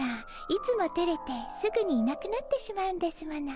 いつもてれてすぐにいなくなってしまうんですもの。